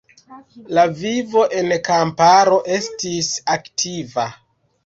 La vivo en kamparo estis aktiva.